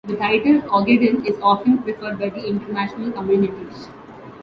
The title "Ogaden" is often preferred by the international communities.